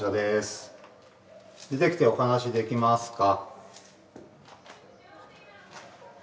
出てきてお話しできますか？